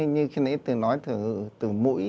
như khi nãy từng nói từ mũi